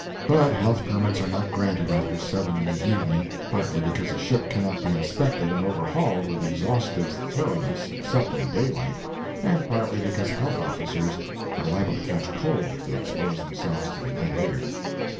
But health permits are not granted after seven in the evening, partly because a ship cannot be inspected and overhauled with exhaustive, thoroughness except in daylight, and partly because health officers are liable to catch cold if they expose themselves to the night air.